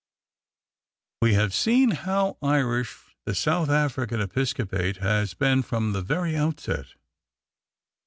We have seen how Irish the South African episcopate has been from the very outset.